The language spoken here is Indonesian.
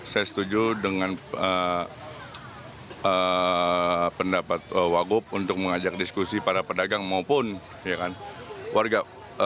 saya setuju dengan pendapat wagub untuk mengajak diskusi para pedagang maupun warga